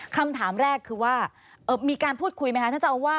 คำถามแรกคือว่ามีการพูดคุยไหมคะท่านเจ้าอาวาส